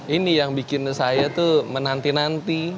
ini yang bikin saya tuh menanti nanti